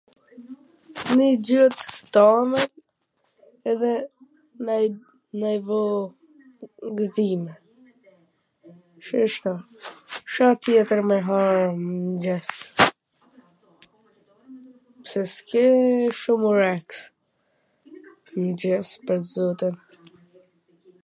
Nonj gjw tamwl edhe na i vo gwxime ,,, shishto. Ca tjetwr me ha n mngjes? Pse s ke shum oreks n mngjes pwr zotin.